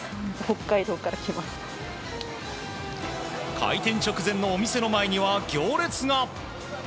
開店直前のお店の前には行列が。